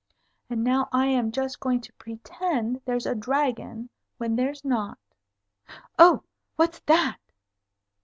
And now I am just going to pretend there's a dragon when there's not. Oh, what's that?"